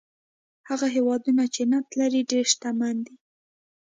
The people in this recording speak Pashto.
هغه هېوادونه چې نفت لري ډېر شتمن دي.